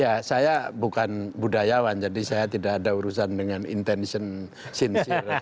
ya saya bukan budayawan jadi saya tidak ada urusan dengan intention sincir